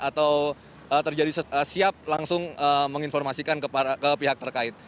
atau terjadi siap langsung menginformasikan ke pihak terkait